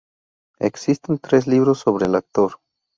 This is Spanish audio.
Existen tres libros sobre el actor.